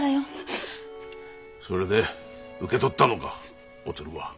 それで受け取ったのかおつるは？